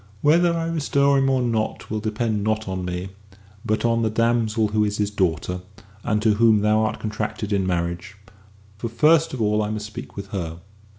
"Whether I restore him or not will depend not on me, but on the damsel who is his daughter, and to whom thou art contracted in marriage. For first of all I must speak with her."